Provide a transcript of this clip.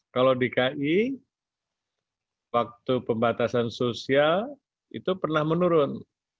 kalau di ki waktu pembatasan sosial itu pernah menurun